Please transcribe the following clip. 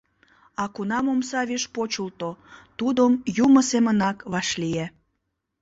А кунам омса виш почылто, тудым Юмо семынак вашлие.